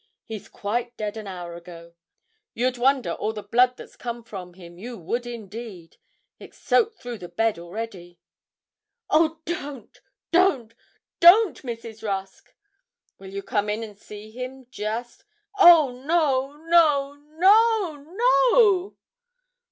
He's quite dead an hour ago. You'd wonder all the blood that's come from him you would indeed; it's soaked through the bed already.' 'Oh, don't, don't, don't, Mrs. Rusk.' 'Will you come in and see him, just? 'Oh, no, no, no, no!'